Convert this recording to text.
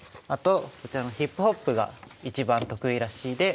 あとこちらのヒップホップが一番得意らしい。